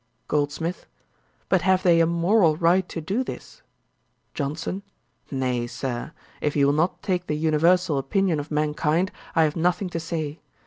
GOLDSMITH. 'But have they a moral right to do this?' JOHNSON. 'Nay, Sir, if you will not take the universal opinion of mankind, I have nothing to say.